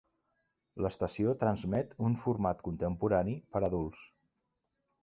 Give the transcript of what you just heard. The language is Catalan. L'estació transmet un format contemporani per a adults.